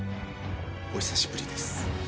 お久しぶりです。